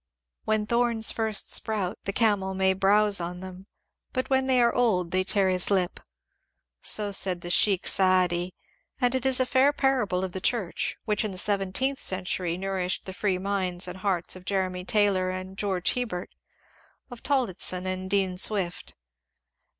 When thorns first sprout the camel may browse on them, bot when they are oU they tear his lip. So said Sheik Saadi, and it is a fair parable of the chnreh which in the seventeenth century nourished the free minds and hearts of Jeremy Taylor and George Herbert, of Tillotson and Dean Swift.